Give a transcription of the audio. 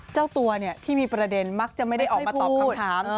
เจ้าตัวที่มีประเด็นมักจะไม่ได้ออกมาตอบคำถาม